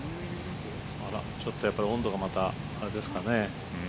ちょっと温度がまたあれですかね。